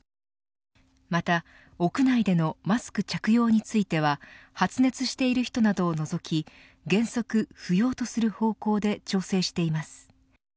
また屋内でのマスク着用については発熱している人などを除き原則不要とする方向で調整しています。